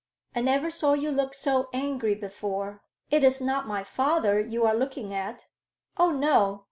I never saw you look so angry before. It is not my father you are looking at?" "Oh, no!